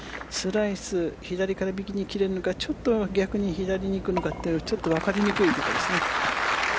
スライス、左から右に切れるのかちょっと逆に、左に行くのかって分かりにくいところですね。